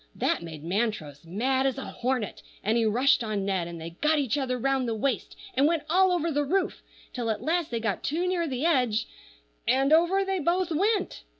That made Montrose mad as a hornet, and he rushed on Ned, and they got each other round the waist, and went all over the roof, till at last they got too near the edge, and over they both went.